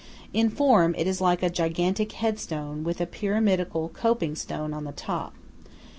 In form it is like a gigantic headstone, with a pyramidal coping stone on the top.